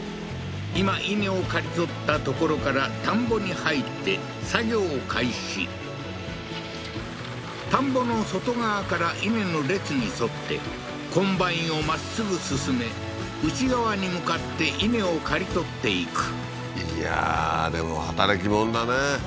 今稲を刈り取った所から田んぼに入って作業開始田んぼの外側から稲の列に沿ってコンバインをまっすぐ進め内側に向かって稲を刈り取っていくいやーでも働きもんだね